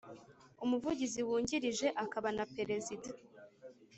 Umuvugizi Wungirije akaba na Perezida